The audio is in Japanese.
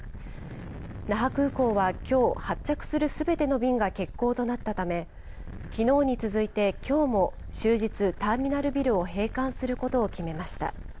那覇空港はきょう、発着するすべての便が欠航となったため、きのうに続いてきょうも終日、ターミナルビルを閉館することを決めました。